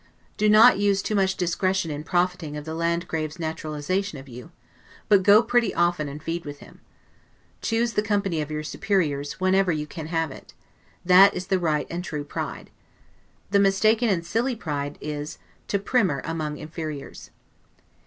Do not use too much discretion in profiting of the Landgrave's naturalization of you; but go pretty often and feed with him. Choose the company of your superiors, whenever you can have it; that is the right and true pride. The mistaken and silly pride is, to PRIMER among inferiors.